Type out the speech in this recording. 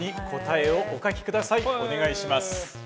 お願いします。